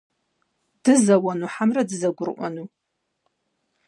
Дызэуэну хьэмэрэ дызэгурыӏуэну?